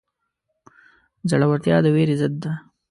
زړورتیا د وېرې ضد ده.